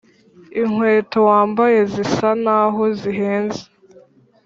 inkweto wambaye zisa naho zihenze.